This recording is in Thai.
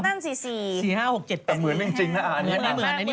แต่เหมือนจริงนะอันนี้